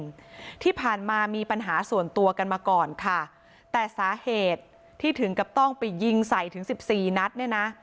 ที่ผ่านมามีปัญหาส่วนตัวกันมาก่อนค่ะแต่สาเหตุที่ถึงกับต้องไปยิงใส่ถึงสิบสี่นัดเนี่ยนะ